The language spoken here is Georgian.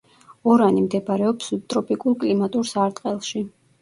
ორანი მდებარეობს სუბტროპიკულ კლიმატურ სარტყელში.